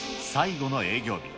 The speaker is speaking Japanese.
最後の営業日。